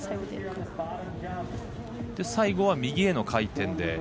最後は右への回転で。